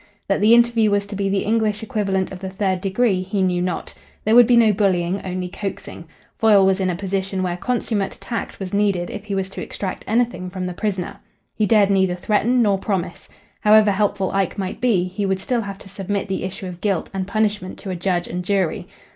That the interview was to be the English equivalent of the third degree, he knew not. There would be no bullying, only coaxing. Foyle was in a position where consummate tact was needed if he was to extract anything from the prisoner. He dared neither threaten nor promise. However helpful Ike might be, he would still have to submit the issue of guilt and punishment to a judge and jury.